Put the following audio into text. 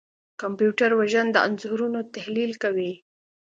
کمپیوټر وژن د انځورونو تحلیل کوي.